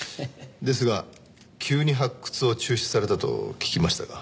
ですが急に発掘を中止されたと聞きましたが。